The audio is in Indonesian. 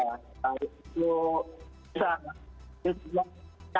harus itu bisa